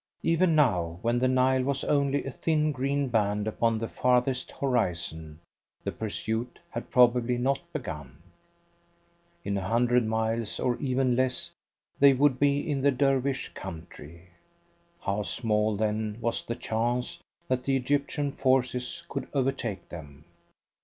Even now, when the Nile was only a thin green band upon the farthest horizon, the pursuit had probably not begun. In a hundred miles, or even less, they would be in the Dervish country. How small, then, was the chance that the Egyptian forces could overtake them.